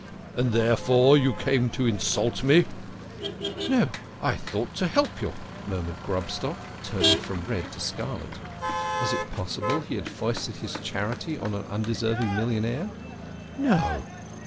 " And, therefore, you came to insult me !"" No, no, I thought to help you," murmured Grobstock, turning from red to scarlet. Was it possible he had foisted THE KING OF SCHNORRERS. 7 his charity upon an undeserving millionaire? No